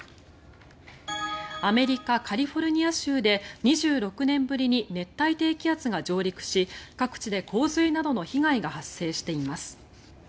アメリカ・カリフォルニア州で２６年ぶりに熱帯低気圧が上陸し各地で洪水などの被害が発生しています。